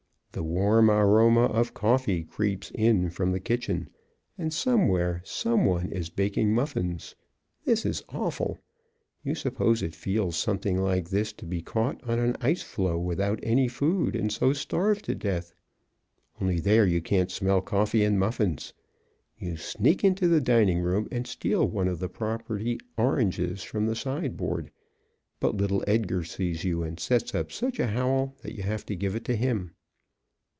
The warm aroma of coffee creeps in from the kitchen and, somewhere, some one is baking muffins. This is awful! You suppose it feels something like this to be caught on an ice floe without any food and so starve to death. Only there you can't smell coffee and muffins. You sneak into the dining room and steal one of the property oranges from the side board, but little Edgar sees you and sets up such a howl that you have to give it to him.